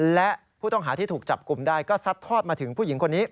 และผู้ต้องหาที่ถูกจับกลุ่มได้ก็ซัดทอดมาถึงผู้หญิงคนนี้